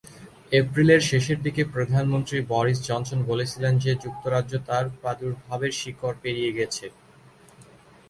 এপ্রিলের শেষের দিকে প্রধানমন্ত্রী বরিস জনসন বলেছিলেন যে যুক্তরাজ্য তার প্রাদুর্ভাবের শিখর পেরিয়ে গেছে।